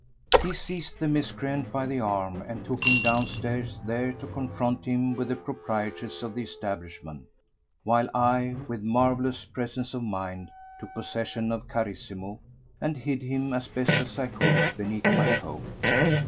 He seized the miscreant by the arm and took him downstairs, there to confront him with the proprietress of the establishment, while I—with marvellous presence of mind—took possession of Carissimo and hid him as best I could beneath my coat.